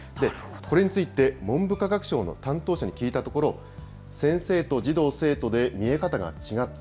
これについて文部科学省の担当者に聞いたところ、先生と児童・生徒で見え方が違った。